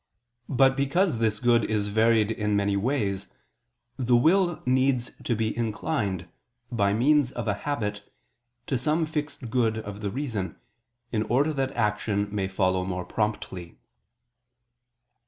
But because this good is varied in many ways, the will needs to be inclined, by means of a habit, to some fixed good of the reason, in order that action may follow more promptly.